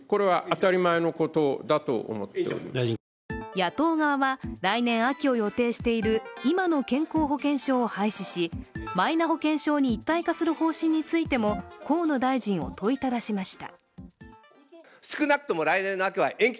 野党側は来年秋を予定している今の健康保険証を廃止しマイナ保険証に一体化する方針についても河野大臣を問いただしました。